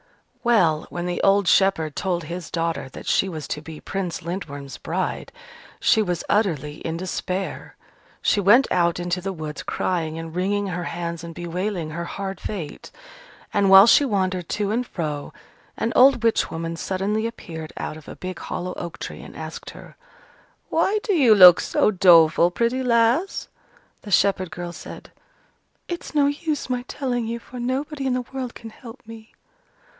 Well, when the old shepherd told his daughter that she was to be Prince Lindworm's bride, she was utterly in despair. She went out into the woods, crying and wringing her hands and bewailing her hard fate. And while she wandered to and fro, an old witch woman suddenly appeared out of a big hollow oak tree, and asked her, "Why do you look so doleful, pretty lass?" The shepherd girl said, "It's no use my telling you, for nobody in the world can help me."